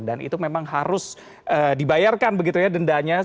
itu memang harus dibayarkan begitu ya dendanya